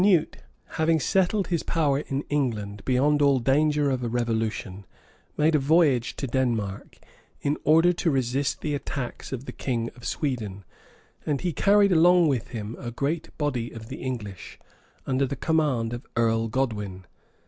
] Canute, having settled his power in England beyond all danger of a revolution, made a voyage to Denmark, in order to resist the attacks of the king of Sweden; and he carried along with him a great body of the English, under the command of Earl Godwin.